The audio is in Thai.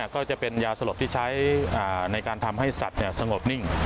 ก็จะเป็นยาสลบที่ใช้ในการทำให้สัตว์สงบนิ่ง